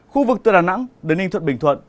khu vực từ đà nẵng đến ninh thuận bình thuận